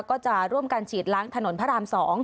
ก็จะร่วมกันฉีดล้างถนนพระราม๒